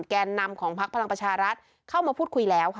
แกนนำของพักพลังประชารัฐเข้ามาพูดคุยแล้วค่ะ